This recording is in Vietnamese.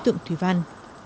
khí tượng thủy văn